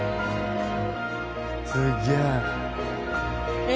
すげえ。